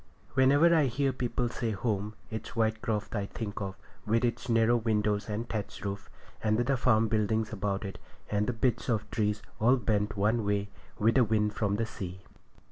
Whenever I hear people say 'home,' it's Whitecroft I think of, with its narrow windows and thatch roof and the farm buildings about it, and the bits of trees all bent one way with the wind from the sea.